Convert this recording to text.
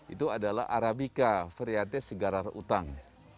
itu adalah arabica variante segarar utang